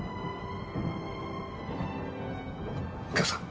右京さん